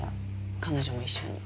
彼女も一緒に。